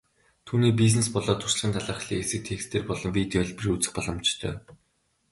Түүний бизнес болоод туршлагын талаарх лекцийг текстээр болон видео хэлбэрээр үзэх боломжтой.